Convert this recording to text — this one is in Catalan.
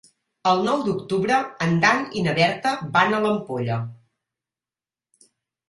El nou d'octubre en Dan i na Berta van a l'Ampolla.